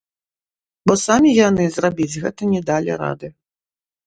Бо самі яны зрабіць гэта не далі рады.